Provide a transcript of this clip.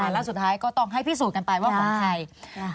แล้วสุดท้ายก็ต้องให้พิสูจน์กันไปว่าของใคร